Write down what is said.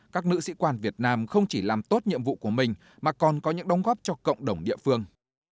các nữ sĩ quan việt nam không chỉ làm tốt nhiệm vụ của mình mà còn có những đồng góp cho cộng đồng địa phương